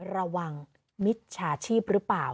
มิจฉาชีพหรือเปล่า